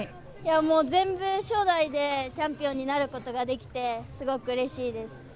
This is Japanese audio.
もう全然初代でチャンピオンになることができて、すごくうれしいです。